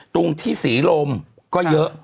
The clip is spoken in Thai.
ตรงที่ศรีลมก็เยอะ